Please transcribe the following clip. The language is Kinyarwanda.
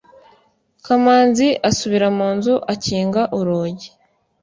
kamanzi asubira mu nzu akinga urugi